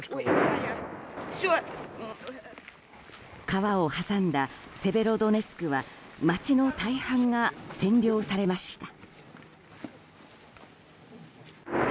川を挟んだセベロドネツクは街の大半が占領されました。